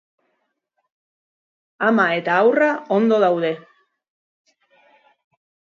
Ama eta haurra ondo daude.